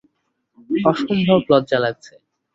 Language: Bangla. অসম্ভব লজ্জা লাগছে।